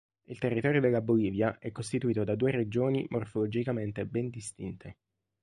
Il territorio della Bolivia è costituito da due regioni morfologicamente ben distinte.